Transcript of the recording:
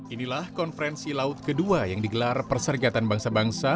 inilah konferensi laut kedua yang digelar persergatan bangsa bangsa